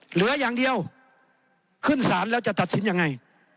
เหลืออย่างเดียวขึ้นสารแล้วจะตัดสินยังไง